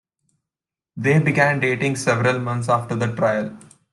They began dating several months after the trial.